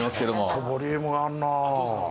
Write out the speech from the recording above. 結構ボリュームがあるな。